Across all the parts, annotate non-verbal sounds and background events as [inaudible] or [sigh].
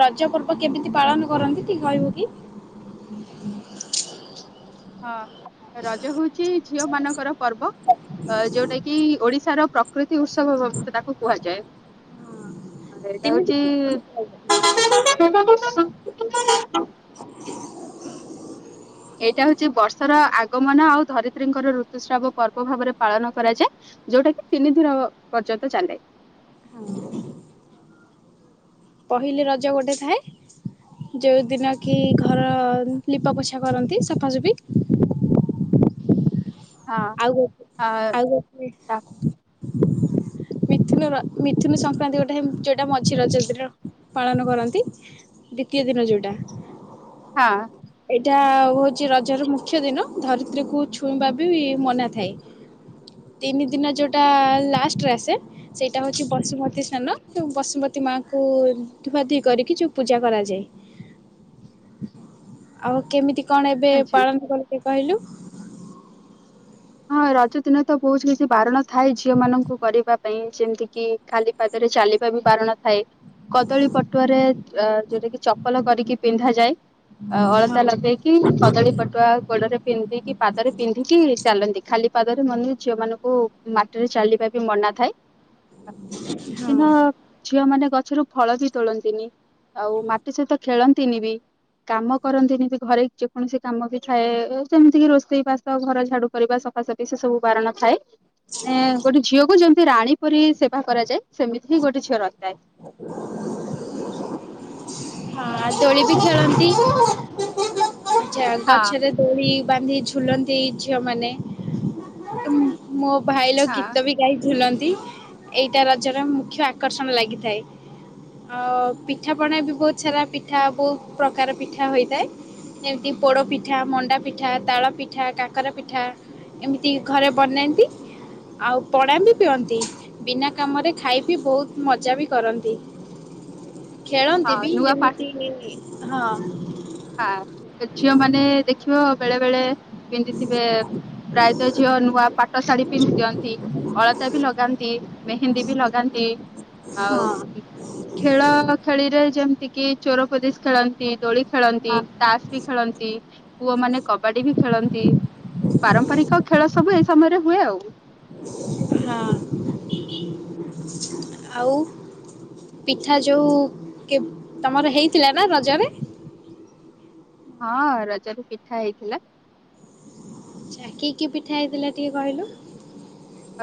ରଜ ପର୍ବ କେମିତି ପାଳନ କରନ୍ତି ଟିକେ କହିବ କି? [inaudible] ହଁ ରଜ ହଉଛି ଝିଅ ମାନଙ୍କର ପର୍ବ। ଅ ଯୋଉଟା କି ଓଡିଶାର ପ୍ରକୃତି ଉତ୍ସବ ତାକୁ କୁହାଯାଏ। ହେଇଟା ତିନି ହଉଚି ଦିନ ଏଇଟା ହଉଛି ବର୍ଷାର ଆଗମନ ଆଉ ଧରିତ୍ରୀଙ୍କର ଋତୁସ୍ରାବ ପର୍ବ ଭାବରେ ପାଳନ କରାଯାଏ। ଯୋଉଟା କି ତିନି ଦିନ ପର୍ଯ୍ୟନ୍ତ ଚାଲେ। ପହିଲି ରଜ ଗୋଟେ ଥାଏ। ଯୋଉ ଦିନ କି ଘର ଲିପା ପୋଛା କରନ୍ତି ସଫାସୁଫି। ହଁ ଆଉ ଆ, ଆଉ [unintelligible] ମିଥୁନ ମିଥୁନ ସଂକ୍ରାନ୍ତି ଗୋଟେ ଯୋଉଟା ମଝି ରଜ ଦିନ ପାଳନ କରନ୍ତି। ଦ୍ଵିତୀୟ ଦିନ ଯୋଉଟା। ହଁ। ଏଇଟା ହଉଛି ରଜ ର ମୁଖ୍ୟ ଦିନ। ଧରିତ୍ରୀକୁୁ ଛୁଇଁବା ବି ମନା ଥାଏ। ତିନି ଦିନ ଯୋଉଟା ଲାଷ୍ଟରେ ଆସେ ସେଇଟା ହଉଛି ବସୁମତୀ ସ୍ନାନ। ଯୋଉ ବସୁମତୀ ମାଙ୍କୁ ଧୁଆଧୁଇ କରିକି ଯୋଉ ପୂଜା କରାଯାଏ। [inaudible] ଆଉ କେମିତି କଣ ଏବେ ଆଛା। ପାଳନ କରନ୍ତି କହିଲୁ? ହଁ ରଜ ଦିନ ତ ବହୁତ କିଛି ବାରଣ ଥାଏ ଝିଅ ମାନଙ୍କୁ କରିବା ପାଇଁ। ଯେମିତି କି ଖାଲି ପାଦରେ ଚାଲିବା ବି ବାରଣ ଥାଏ। କଦଳୀ ପଟୁଆରେ ଅ ଯୋଉଟା କିି ଚପଲ କରିକି ପିନ୍ଧା ଯାଏ। ଅ ହଁ ଅଳତା ଲଗେଇକି କଦଳୀ ପଟୁଆ ଗୋଡରେ ପିନ୍ଧିକି ପାଦରେ ପିନ୍ଧିକି ଚାଲନ୍ତି। ଖାଲି ପାଦରେ ମାନେ ଝିଅ ମାନଙ୍କୁ ମାଟିରେ ଚାଲିବା ବି ମନା ଥାଏ। ହଁ ସେଦିନ ଝିଅ ମାନ ଗଛରୁ ଫଳ ବି ତୋଳନ୍ତିନି। ଆଉ ମାଟି ସହିତ ଖେଳନ୍ତିନି ବି। କାମ କରନ୍ତିନି ବି ଘରେ ଯେକୌଣସି କାମ ବି ଥାଏ ସେମିତି କି ରୋଷେଇ ବାସ ଘର ଝାଡୁ। କରିବା ସଫାସଫି ସେ ସବୁ ବାରଣ ଥାଏ। ଏ ଗୋଟେ ଝିଅକୁ ଯେମିତି ରାଣୀ ପରି ସେବା କରାଯାଏ। ସେମିତି ହିଁ ଗୋଟେ ଝିଅ ରହିଥାଏ। ହଁ ଦୋଳି ବି ଖେଳନ୍ତି। ହଁ ଗଛରେ ଦୋଳି ବାନ୍ଧି ଝୁଲନ୍ତି ଝିଅ ମାନେ। ମୋ ଭାଇ ଲୋ ହଁ ଗୀତ ବି ଗାଇ ଝୁଲନ୍ତି। ଏଇଟା ରଜର ମୁଖ୍ୟ ଆକର୍ଷଣ ଲାଗେ। [unintelligible] ଆଉ ପିଠା ପଣା ବି ବହୁତ ସାରା ପିଠା ବହୁତ ପ୍ରକାର ପିଠା ହୋଇଥାଏ। ଯେମିତି ପୋଡ଼ପିଠା, ମଣ୍ଡା ପିଠା, ତାଳ ପିଠା, କାକରା ପିଠା। ଏମିତି ଘରେ ବନାନ୍ତି। ଆଉ ପଣା ବି ପିଅନ୍ତି। ବିନା କାମରେ ଖାଇ ପି ବହୁତ ମଜା ବି କରନ୍ତି ଖେଳନ୍ତି ହଁ ବି ନୂଆ ପାଠ ଯେମିତିହି ହଁ। ହଁ ଝିଅ ମାନେ ଦେଖିବ ବେଳେ ବେଳେ ପିନ୍ଧିଥିବେ। ପ୍ରାୟତଃ ଝିଅ ନୂଆ ପାଟ ଶାଢୀ ପିନ୍ଧି ଦିଅନ୍ତି। ଅଳତା ବି ଲଗାନ୍ତି। ମେହେନ୍ଦୀ ବି ଲଗାନ୍ତି। ଆଉ ହଁ। ଖେଳ ଖେଳିରେ ଯେମତି କି ଚୋରୋ ପୋଲିସ ଖେଳନ୍ତି। ଦୋଳି ଖେଳନ୍ତି ହଁ ତାସ ବି ଖେଳନ୍ତି। ପୁଅ ମାନେ କବାଡି ବି ଖେଳନ୍ତି। ପାରମ୍ପରିକ ଖେଳ ସବୁ ଏଇ ସମୟରେ ହୁଏ ଆଉ। ହଁ ଆଉ। ପିଠା ଯୋଉ କେ ତମର ହେଇଥିଲା ନା ରଜରେ? ହଁ ରଜରେ ପିଠା ହେଇଥିଲା। ଆଛା କି କି ପିଠା ହେଇଥିଲା ଟିକେ କହିଲୁ।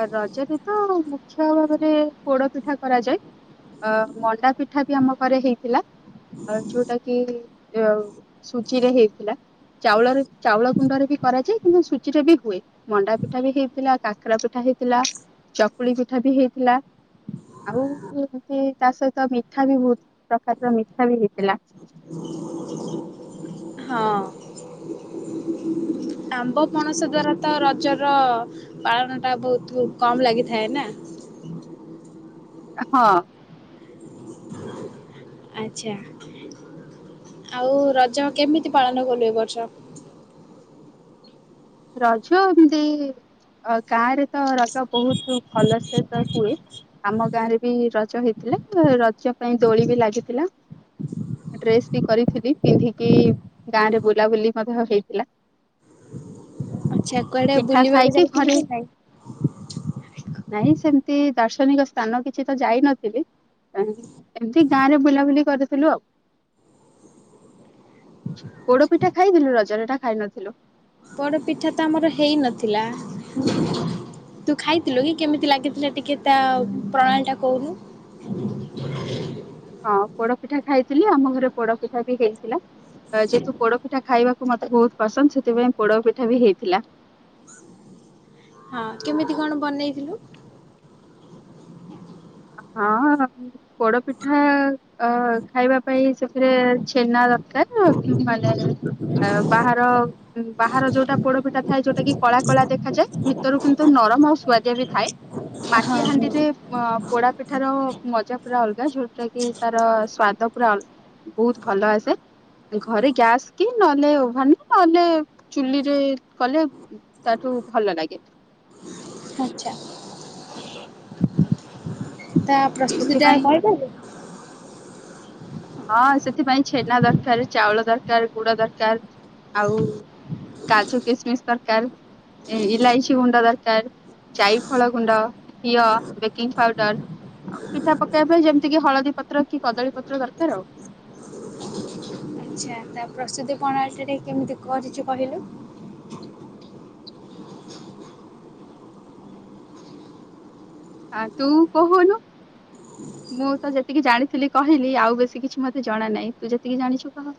ରଜରେ ତ ମୁଖ୍ୟ ଭାବରେ ପୋଡ ପିଠା କରାଯାଏ। ଅ ମଣ୍ଡା ପିଠା ବି ଆମ ଘରେ ହେଇଥିଲା। ଅ ଯୋଉଟା କି ଯୋଉ ସୂଚୀରେ ହେଇଥିଲା। ଚାଉଳରେ ଚାଉଳ କୁଣ୍ଡରେ ବି କରାଯାଏ। କିନ୍ତୁ ସୁଜିରେ ବି ହୁଏ। ମଣ୍ଡା ପିଠା ବି ହେଇଥିଲା। କାକରା ପିଠା ପିଠା ହେଇଥିଲା ଚକୁଳି ପିଠା ବି ହେଇଥିଲା। ଆଉ ଏମତି ତା ସହିତ ମିଠା ବି ବହୁତ ପ୍ରକାରର ମିଠା ବି ହେଇଥିଲା। ହଁ। ଆମ୍ବ ପଣସ ଦ୍ଵାରା ତ ରଜର ପାଳନ ଟା ବହୁତ କମ ଲାଗିଥାଏ ନା। ହଁ। ଆଚ୍ଛା। ଆଉ ରଜ କେମିତି ପାଳନ କଲୁ ଏ ବର୍ଷ? ରଜ ଏମତି ଅ ଗାଁରେ ତ ର ତ ବହୁତ ଭଲସେ ତ ହୁଏ? ଆମ ଗାଁ ରେ ବି ରଜ ହେଇଥିଲେ। ରଜ ପାଇଁ ଦୋଳି ବି ଲାଗିଥିଲା। ଡ୍ରେସ ବି କରିଥିଲି ପିନ୍ଧିକି ଗାଁ ରେ ବୁଲାବୁଲି ମଧ୍ୟ ହେଇଥିଲା। ଆଚ୍ଛା କୁଆଡେ ପିଠା ବୁଲିବାକୁ ଖାଇକି ଯାଇଥିଲି ଘରେ କି ନାଇ। ନାଇଁ ସେମତି ଦାର୍ଶନିକ ସ୍ଥାନ କିଛି ତ ଯାଇନଥିଲି। କାହିଁକି ଏମତି ଗାଁ ରେ ବୁଲାବୁଲି କରିଥିଲୁ ଆଉ। ପୋଡପିଠା ଖାଇଥିଲୁ ରଜରେ ନା ଖାଇ ନଥିଲୁ। ପୋଡପିଠା ତ ଆମର ହେଇନଥିଲା। ତୁ ଖାଇଥିଲୁ କି? କେମିତି ଲାଗିଥିଲା ଟିକେ ତା ପ୍ରଣାଳୀଟା କହୁନୁ। ହଁ ପୋଡପିଠା ଖାଇଥିଲୁ। ଆମ ଘରେ ପୋଡପିଠା ବି ହେଇଥିଲା। ଯେହେତୁ ପୋଡପିଠା ଖାଇବା ମତେ ବହୁତ ପସନ୍ଦ ସେଥିପାଇଁ ପୋଡ ପିଠା ବି ହେଇଥିଲା। ହଁ କେମିତି କଣ ବନେଇଥିଲୁ? ହଁ ପୋଡ ପିଠା ଅ ଖାଇବା ପାଇଁ ସେଥିରେ ଛେନା ଦରକାର। ମାନେ ବାହାର ବାହାର ଯୋଉଟା ପୋଡପିଠା ଥାଏ। ଯୋଉଟା କି କଳା କଳା ଦେଖାଯାଏ। ଭିତରୁ କିନ୍ତୁ ନରମ ଆଉ ସୁଆଦିଆ ବି ଥାଏ। ହଁ ମାଟି ହଁ। ହାଣ୍ଡିରେ ଅ ପୋଡା ପିଠା ର ମଜା ପୁରା ଅଲଗା। ଯୋଉଟା କି ତାର ସ୍ଵାଦ ପୁରା ଅଲ ବହୁତ ଭଲ ଆସେ। ଘରେ ଗ୍ୟାସ୍ କି ନହେଲେ ଓଭାନ ନହେଲେ ଚୁଲିରେ କଲେ। ତାଠୁ ଭଲ ଲାଗେ। ଆଛା ତା ପ୍ରସ୍ତୁତି ଟା ସେଥିପାଇଁ କହିପାରିବ। ହଁ ସେଥିପାଇଁ ଛେନା ଦରକାର। ଚାଉଳ ଦରକାର। ଗୁଡ ଦରକାର। ଆଉ କାଜୁ କିସମିସ୍ ଦରକାର। ଇଲାଇଚି ଗୁଣ୍ଡ ଦରକାର। ଯାଇଫଳ ଗୁଣ୍ଡ ଘିଅ ବେକିଂ ପାଉଡର। ଆଉ ପିଠା ପକେଇବା ପାଇଁ ଯେମିତି କି ହଳଦୀ ପତ୍ର କି କଦଳୀ ପତ୍ର ଦରକାର ଆଉ। ଆଚ୍ଛା ତା ପ୍ରସୁତି ପ୍ରଣାଳୀ ଟା ଟିକେ କେମିତି କରିଛୁ କହିଲୁ। ଆ, ତୁ କହୁନୁ। ମୁଁ ତ ଯେତିକି ଜାଣିଥିଲି କହିଲି ଆଉ ବେଶୀ କିଛି ମୋତେ ଜଣା ନାହିଁ। ତୁ ଯେତିକି ଜାଣିଛୁ କହ।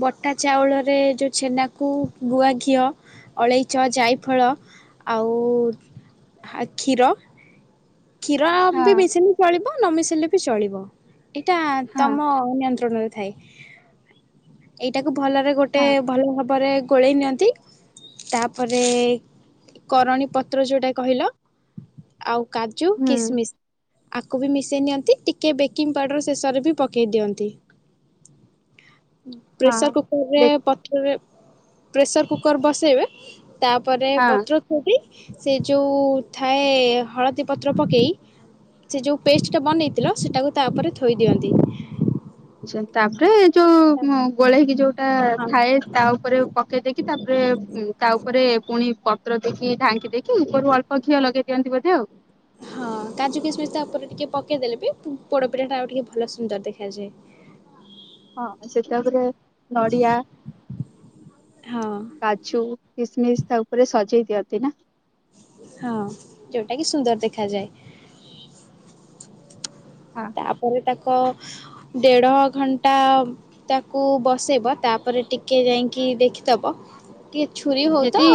ବଟା ଚାଉଳରେ ଯୋଉ ଛେନାକୁ ଗୁଆ ଘିଅ, ଅଳେଇଚ ଜାଇଫଳ ଆଉ ହା କ୍ଷୀର କ୍ଷୀର ବି ହଁ ମିଶିନି ଚଳିବ ନ ମିଶିଲେ ବି ଚଳିବ। ଏଇଟା ହଁ ତୋମ ନିୟନ୍ତ୍ରଣରେ ଥାଏ। ଏଇଟାକୁ ଭଲରେ ଗୋ ଟେ ହଁ ଭଲ ଭାବରେ ଗୋଳେଇ ନିଅନ୍ତି। ତାପରେ କରଣୀ ପତ୍ର ଯୋଉଟା କହିଲ ଆଉ କାଜୁ, ହୁଁ କିସମିସ ଆକୁ ବି ମିଶେଇ ନିଅନ୍ତି ଟିକେ ବେକିଂ ପାଉଡର ଶେଷରେ ବି ପକେଇ ଦିଅନ୍ତି। ହଁ ପ୍ରେସର କୁକର ରେ ଦେଖ ପଥରେ, ପ୍ରେସର କୁକର ବସେଇବେ ତାପରେ ହଁ ପତ୍ର ଖୁବି ସେ ଯୋଉ ଥାଏ ହଳଦ ଦୀ ପତ୍ର ପକେଇ ସେ ଯୋଉ ପେଷ୍ଟ ଟା ବନେଇଥିଲ ସେଟାକୁ ତା ଉପରେ ଥୋଇ ଦିଅନ୍ତି। ତାପରେ ଯୋଉ ଅଁ, ଗୋଳେଇକି ଯୋଉଟା ହଁ ଥାଏ ତା ଉପରେ ପକେଇ ଦେଇକି ତାପରେ ଉଁ, ତା ଉପରେ ପୁଣି ପତ୍ର ଦେଇକି ଢାଙ୍କି ଦେଇକି ଉପରୁ ଅଳ୍ପ ଘିଅ ଲଗେଇ ଦିଅନ୍ତି ବୋଧେ ଆଉ। ହଁ କାଜୁ କିସମିସ୍ ତା ଉପରେ ଟିକେ ପକେଇଦେଲେ ବି ପୁ- ପୋଡପିିଠା ଟା ଆଉ ଟିକେ ଭଲ ସୁନ୍ଦର ଦେଖାଯାଏ। ହଁ ସେ ତାପରେ ନଡ଼ିଆ ହଁ କାଜୁ, କିସମିସ ତା ଉପରେ ସଜେଇ ଦିଅନ୍ତି ନା। ହଁ ଯୋଉଟା କି ସୁନ୍ଦର ଦେଖାଯାଏ। ହଁ ପରେ ଟାକ ଦେଢ ଘଣ୍ଟା ତାକୁ ବସେଇବ ତାପରେ ଟିକେ ଯାଇକି ଦେଖିଦବ। କି ଛୁୁରି ହଉ ତ ଯଦି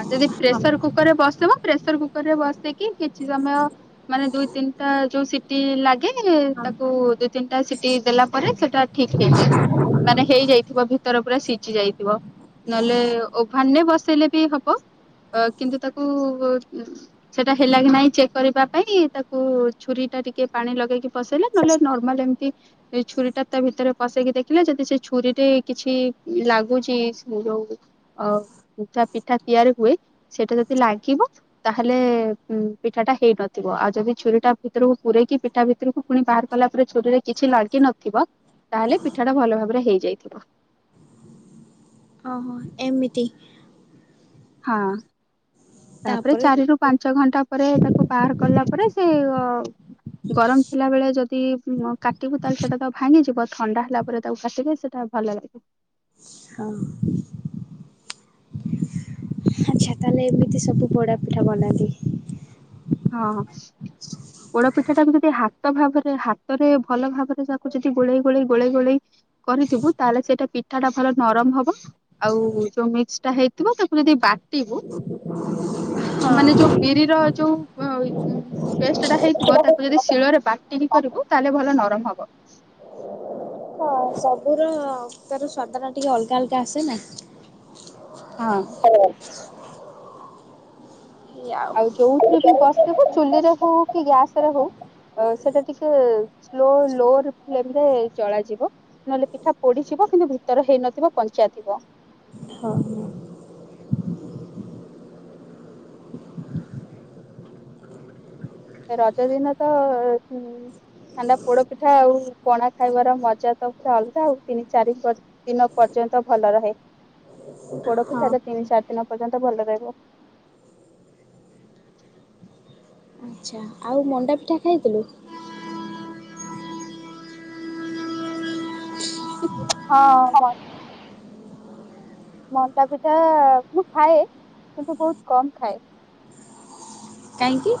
ଆଉ ଯଦି ପ୍ରେସର କୁକର ରେ ବସିବ, ପ୍ରେସର କୁକର ରେ ବସେଇକି କିଛି ସମୟ ମାନେ ଦୁଇ ତିନିଟା ଯୋଉ ସି ଟି ଲାଗେ ହଁ ତାକୁ ଦି ତିନିଟା ସେିଟି ଦେଲା ପରେ ସେଟା ଠିକ ହେଇଯାଏ। ମାନେ ହେଇଯାଇଥିବ ଭିତର ପୁରା ସିଝି ଯାଇଥିବ। ନହେଲେ ଓଭାନରେ ବସେଇଲେ ବି ହ ବ ଅ, କିନ୍ତୁ ତାକୁ ଉଁ, ସେଟା ହେଲା କି ନାଇଁ ଚେକ୍ କରିବା ପାଇଁ ତାକୁ ଛୁରୀ ଟା ଟିକେ ପାଣି ଲଗେଇକି ପସେଇଲେ ନହେଲେ ନର୍ମାଲ୍ ଯେମତି ଏଇ ଛୁରୀ ଟା ତା ଭିତରେ ପଶେଇକି ଦେଖିଲେ ଯଦି ସେ ଛୁରୀରେ କିଛି ଲାଗୁଛି ଯୋଉ ଓ ଉଠା ପିଠା ତିଆରି ହୁଏ, ସେଇଟା ଯଦି ଲାଗିବ ତାହେଲେ ଉଁ, ପିଠା ଟା ହେଇନଥିବ। ଆଉ ଯଦି ଛୁରୀ ଟା ଭିତରକୁ ପୁରରେଇକି ପିଠା ଭିତରକୁ ପୁଣି ବାହାର କଲା ପରେ ଛୁରୀରେ କିଛି ଲାଗି ନଥିବ ତାହେଲେ ପିଠା ଟା ଭଲ ଭାବରେ ହେଇଯାଇଥିବ। ଓହୋ, ଏମିତି। ହଁ ତାପରେ ଚାରି ରୁ ପାଞ୍ଚ ଘଣ୍ଟା ପରେ ତାକୁ ବାହାର କଲା ପରେ ସେ ଅ, ଗରମ ଥିଲା ବେଳେ ଯଦି କାଟିବୁ ତାହେଲେ ସେଟା ତ ଭାଙ୍ଗିଯିବ। ଥଣ୍ଡା ହେଲା ପରେ ତାକୁ କାଟିଲେ ସେଟା ଭଲ ଲାଗେ। ହଁ। ଆଚ୍ଛା ତାହେଲେ ଏମିତି ସବୁ ପୋଡପିଠା ବନାନ୍ତି। ହଁ। ପୋଡପିଠା ଟାକୁ ଯଦି ହାତ ଭାବରେ ହାତରେ ଭଲ ଭାବରେ ତାକୁ ଯଦି ଗୋଳେଇ ଗୋଳେଇ ଗୋଳେଇ ଗୋଳେଇ କରିଥିବୁ ତାହେଲେ ସେଇଟା ପିଠା ଟା ଭଲ ନରମ ହବ। ଆଉ ଯୋଉ ମିକ୍ସ ଟା ହେଇଥିବ ତାକୁ ଯଦି ବାଟିବୁ, ମାନେ ହଁ। ଯୋଉ ବିରିର ଯୋଉ ଅଇ ଉଁ, ପେଷ୍ଟଟା ହେଇଥିବ ତା କୁ ଯଦି ଶିଳରେ ବାଟିକି କରିବୁ ତାହେଲେ ଭଲ ନରମ ହବ। ହଁ ସବୁର ତାର ସ୍ଵାଦ ଟା ଟିକେ ଅଲଗା ଅଲଗା ଆସେ ନା। ହଁ। [inaudible] ଆଉ ଯୋଉଥିରେ ବି ବସେଇବୁ ଚୁଲିରେ ହଉ କି ଗ୍ୟାସ୍ ରେ ହଉ ଅ, ସେଟା ଟିକେ ସ୍ଲୋ ଲୋର ଫ୍ରେମ୍ ରେ ଜଳାଯିବ। ନହେଲେ ପିଠା ପୋଡିଯିବ କିନ୍ତୁ ଭିତର ହେଇନଥିବ କଞ୍ଚା ଥିବ। ହଁ ହଁ। ରଜ ଦିନ ତ ଉଁ ଥଣ୍ଡା ପୋଡ ପିଠା ଆଉ ପଣା ଖାଇବାର ମଜା ତ ପୁରା ଅଲଗା ଆଉ ତିନି ଚାରି ଦିନ ପର୍ଯ୍ୟନ୍ତ ଭଲ ରହେ ହଁ ପୋଡପିଠାରେ ତିନି ଚାରି ଦିନ ପର୍ଯ୍ୟନ୍ତ ଭଲ ରହିବ। ଆଛା ଆଉ ମଣ୍ଡା ପିଠା ଖାଇଥିଲୁ? ହଁ ବା। ମଣ୍ଡା ପିଠା ମୁଁ ଖାଏ କିନ୍ତୁ ବୋହୁତ କମ ଖାଏ। କାହିଁକି?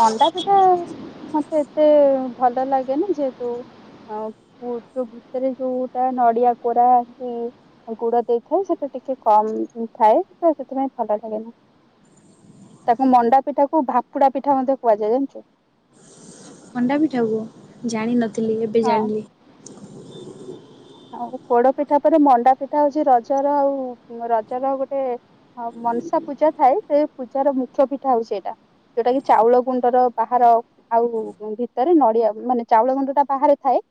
ମଣ୍ଡା ପିଠା ମତେ ଏତେ ଭଲ ଲାଗେନି ଯେହେତୁ ଆଉ ଯୋଉ ଭିତରେ ଯୋଉଟା ନଡିଆ କୋରା ଏମତି ଗୁଡ ଦେଇଥାଏ ସେଟା ଟିକେ କମ ଥାଏ ତ ସେଥିପାଇଁ ଭଲ ଲାଗେନି। ତାକୁ ମଣ୍ଡା ପିଠା କୁ ଭାତୁଡା ପିଠା ମଧ୍ୟ କୁହାଯାଏ। ଜାଣିଛୁ? ମଣ୍ଡା ପିଠାକୁ ଜାଣିନଥିଲି ଏବେ ହଁ। ଜାଣିଲି। ଆଉ ପୋଡ ପିଠା ପରେ ମଣ୍ଡା ପିଠା ହୋଉଛି ରଜର ଆଉ ରଜର ଗୋଟେ ହଁ ମନସା ପୂଜା ଥାଏ ସେ ପୂଜାର ମୁଖ୍ୟ ପିଠା ହୋଉଛି ଏଇଟା। ଯୋଉଟା କି ଚାଉଳ ଗୁଣ୍ଡର ବାହାର ଆଉ ଭିତରେ ନଡିଆ ମାନେ ଚାଉଳ ଗୁଣ୍ଡ ଟା ବାହାରେ ଥାଏ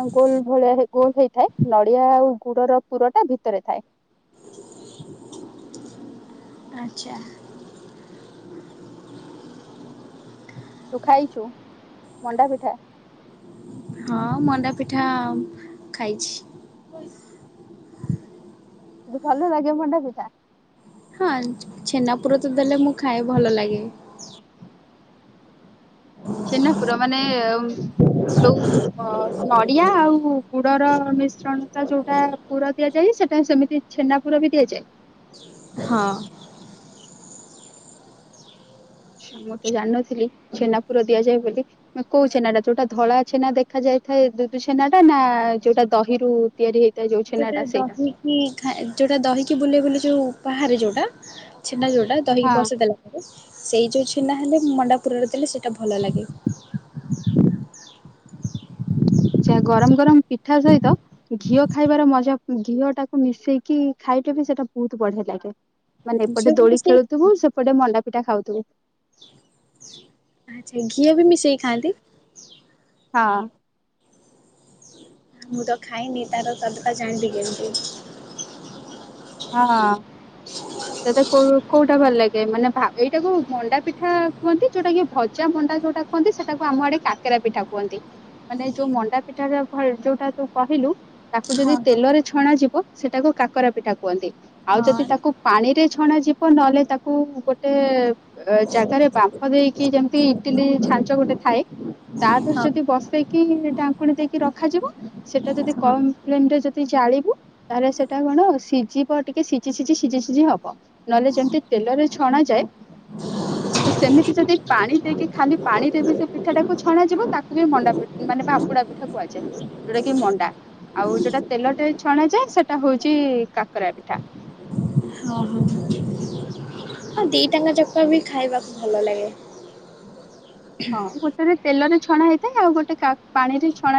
ଆଉ ଗୋଲ ଭଳିଆ ଗୋଲ ହେଇ ଥାଏ ନଡ଼ିଆ ଆଉ ଗୁଡର ପୁରଟା ଭିତରେ ଥାଏ। ଆଛା। ତୁ ଖାଇଛୁ ମଣ୍ଡା ପିଠା? ଆଉ ମଣ୍ଡାପିଠା ଖାଇଛି। ଯି ଭଲ ଲାଗେ ମଣ୍ଡା ପିଠା? ହଁ ଚ୍ଛେନା ପୁର ତ ଦେଲେ ମୁଁ ଖାଏ ଭଲ ଲାଗେ। ଚ୍ଛେନା ପୁର ମାନେ ଯୋଉ ଅ ନଡିଆ ଆଉ ଗୁଡର ମିଶ୍ରଣ ଟା ଯୋଉଟା ପୁର ଦିଆଯାଏ ସେଟା ସେମିତି ଚ୍ଛେନା ପୁର ବି ଦିଆଯାଏ। ହଁ। ଛା ମୁଁ ତ ଜାଣିନଥିଲି ଛେନାପୁର ଦିଆଯାଏ ବୋଲି। ନେ କୋଉ ଚ୍ଛେନା ଟା ଯୋଉଟା ଧଳା ଚ୍ଛେନା ଦେଖା ଯାଇଥାଏ ଦୁଦୁ ଚ୍ଛେନା ଟା ନା ଯୋଉଟା ଦହି ରରୁ ତିଆରି ହେଇ ସେଟା ଦହି କି ଖା ଯୋଉଟା ଦହିକି ବୁଲେଇ ବୁଲେ ଯୋଉ ବାହାରେ ଯୋଉଟା ଛେଣ୍ଡା ଯୋଉଟା ହଁ ଦହିକି ବସେଇ ଦେଲା ପରେ ସେଇ ଯୋଉ ଚ୍ଛେନା ହେଲେ ମଣ୍ଡାପୁରରେ ଦେଲେ ସେଇଟା ଭଲ ଲାଗେ। ଆଛା ଗରମ ଗରମ ପିଠା ସହିତ ଘିଅ ଖାଇବାର ମଜା ଘିଅ ଟାକୁ ମିଶେଇକି ଖାଇଟେ ବି ସେଇଟା ବୋହୁତ ବଢିଆ ଲାଗେ। ମାନେ ଘିଅ ଏପଟେ ବି ଦୋଳି ମିଶେଇ ଖେଳୁଥିବୁ ସେପଟେ ମଣ୍ଡା ପିଠା ଖାଉଥୁବୁ। ଆଛା ଘିଅ ବି ମିଶେଇକି ଖାଆନ୍ତି? ହଁ। ମୁଁ ତ ଖାଇନି ତାର ସ୍ବାଦ ଟା ଜାଣିିବି କେମତି। ହଁ। ହ ତତେ କୋଉ କୋଉଟା ଭଲ ଲାଗେ? ମାନେ ଏଇଟା କ ମଣ୍ଡା ପିଠା କୁହନ୍ତି ଯୋଉଟା କି ଭ ଜା ମଣ୍ଡା ଯୋଉଟା କହନ୍ତି ସେଟାକୁ ଆମ ଆଡେ କାକରା ପିଠା କୁହନ୍ତି। ମାନେ ଯୋଉ ମଣ୍ଡା ପିଠା ଯୋଉଟା ତୁ କହିଲୁ ତାକୁ ହଁ ଯଦି ହଁ। ତେଲରେ ଛଣା ଯିବ ସେଟାକୁ କାକରା ପିଠା କୁହନ୍ତି ଆଉ ଯଦି ହଁ ତାକୁ ପାଣିରେ ଛଣା ଯିବ ନହେଲେ ତାକୁ ଗୋଟେ ଜାଗାରେ ବାମ୍ଫ ଦେଇକି ଯେମିତି ଇଟିଲି ଛାଞ୍ଚ ଗୋଟେ ଥାଏ। ତା ଦେରେ ହଁ ଯଦି ବସେଇକି ଡାଙ୍କୁଣୀ ଦେଇକି ରଖାଯିବ। ସେଇଟା ଯଦି ହଁ କମ ଫ୍ଲେମ ରେ ଯଦି ଜାଳିବୁ ତାହାଲେ ସେଟା କଣ ସିଜିପ ଟିକେ ସିଜି ସିଜି ସିଜି ହବ ନହେଲେ ଯେମିତି ତେଲରେ ଛଣା ଯାଏ। ସେମିତି ଯଦି ପାଣି ଦେଇକି ଖାଲି ପାଣିରେ ବି ସେ ପିଠା ଟାକୁ ଛଣା ଯିବ ତାକୁ ବି ମଣ୍ଡା ପିଠା ମାନେ ଭାପୁଡା ପିଠା କୁହାଯାଏ। ଯୋଉଟା କି ମଣ୍ଡା ଆଉ ଯୋଉଟା ତେଲଟେ ଛଣା ଯାଏ ସେଟା ହଉଛି କାକରା ପିଠା। [unintelligible] ହଁ ଦିଟା ଆଙ୍କ ଯାକ ବି ଖାଇବାକୁ ଭଲ ଲାଗେ। ହଁ ଗୋଟେରେ ତେଲରେ ଛଣା ହେଇଥାଏ ଆଉ ଗୋଟେ ପାଣି ରେ ଛଣା।